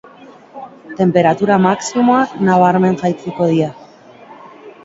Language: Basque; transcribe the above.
Tenperatura maximoak nabarmen jaitsiko dira.